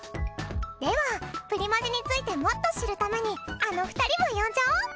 ではプリマジについてもっと知るためにあの２人も呼んじゃおう！